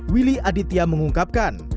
willy aditya mengungkapkan